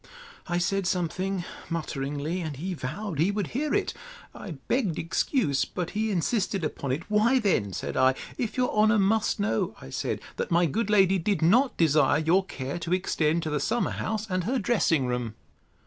I said something mutteringly, and he vowed he would hear it. I begged excuse; but he insisted upon it. Why, then, said I, if your honour must know, I said, That my good lady did not desire your care to extend to the summer house, and her dressing room.